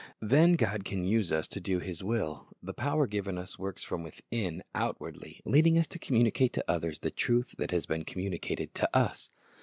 Then God can use us to do His will. The power given us works from within outwardly, leading us to communicate to others the truth that has been com municated to us.